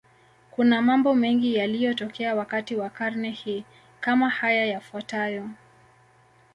Kuna mambo mengi yaliyotokea wakati wa karne hii, kama haya yafuatayo.